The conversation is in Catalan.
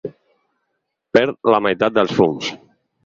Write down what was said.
Perd la meitat dels fums.